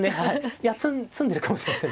いや詰んでるかもしれません。